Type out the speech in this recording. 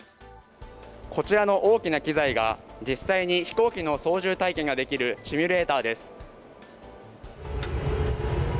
こちらの大きな機材が、実際に飛行機の操縦体験ができるシミュレーターです。